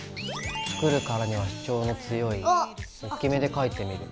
作るからには主張の強いおっきめで描いてみる。